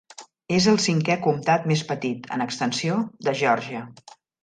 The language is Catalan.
És el cinquè comtat més petit, en extensió, de Georgia.